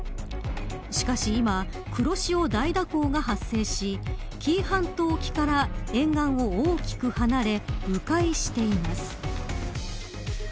しかし今黒潮大蛇行が発生し紀伊半島沖から沿岸を大きく離れう回しています。